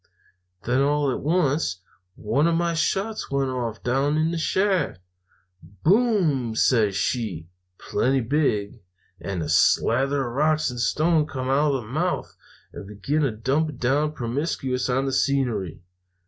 "Then, all at once, one of my shots went off down in the shaft. "'Boom!' says she, plenty big; and a slather of rocks and stones come out of the mouth, and began to dump down promiscuous on the scenery.